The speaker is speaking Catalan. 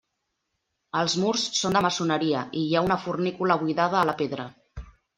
Els murs són de maçoneria i hi ha una fornícula buidada a la pedra.